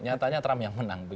nyatanya trump yang menang